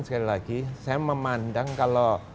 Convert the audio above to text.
sekali lagi saya memandang kalau